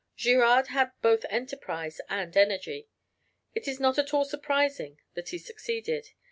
Girard had both enterprise and energy; it is not at all surprising that he succeeded.